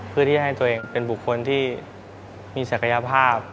เพื่อที่ให้ตัวเองเป็นบุคคลที่มีศักยภาพ